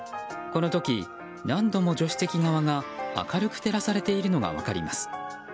この時、何度も助手席側が明るく照らされているのが分かります。